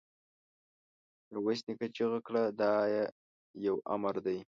ميرويس نيکه چيغه کړه! دا يو امر دی!